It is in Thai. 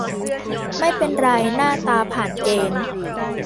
ไม่เป็นไร หน้าตาผ่านเกณฑ์